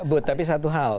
bu tapi satu hal